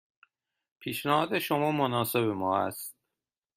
پیشنهاد شما مناسب ما است.